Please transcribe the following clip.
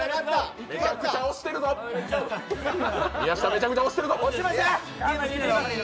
めちゃめちゃ押してるぞ！